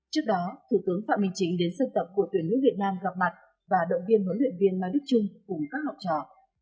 trước đó thủ tướng phạm minh chính đến sân tập của tuyển nữ việt nam gặp mặt và động viên huấn luyện viên mai đức trung cùng các học trò